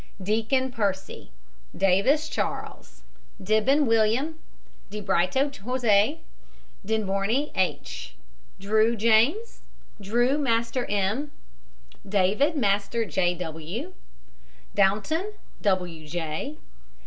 DEACON, PERCY. DAVIS, CHARLES. DIBBEN, WILLIAM. DE BRITO, JOSE. DENBORNY, H. DREW, JAMES. DREW, MASTER M. DAVID, MASTER J. W. DOUNTON, W. J.